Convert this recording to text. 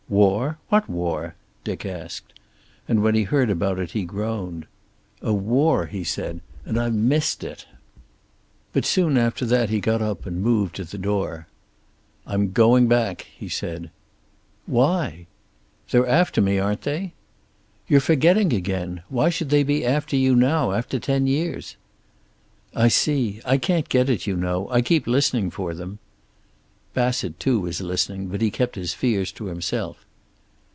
"War? What war?" Dick asked. And when he heard about it he groaned. "A war!" he said. "And I've missed it!" But soon after that he got up, and moved to the door. "I'm going back," he said. "Why?" "They're after me, aren't they?" "You're forgetting again. Why should they be after you now, after ten years?" "I see. I can't get it, you know. I keep listening for them." Bassett too was listening, but he kept his fears to himself.